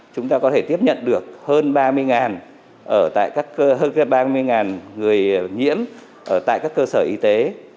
chúng ta có thể tiếp nhận được hơn ba mươi người nhiễm tại các cơ sở y tế